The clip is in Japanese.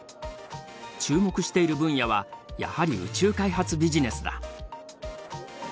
注目している分野はやはり宇宙開発ビジネスだ。